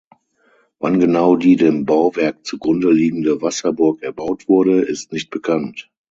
Wann genau die dem Bauwerk zugrunde liegende Wasserburg erbaut wurde, ist nicht bekannt.